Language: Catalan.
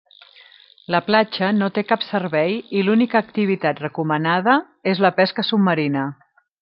La platja no té cap servei i l'única activitat recomanada és la pesca submarina.